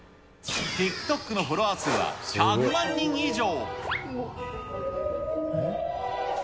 ＴｉｋＴｏｋのフォロワー数は１００万人以上。